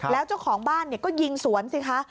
แล้วเจ้าของบ้านก็ยิงสวนสิคะ